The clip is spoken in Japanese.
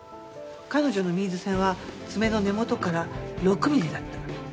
彼女のミーズ線は爪の根元から６ミリだった。